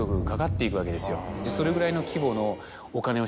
それぐらいの規模のお金を。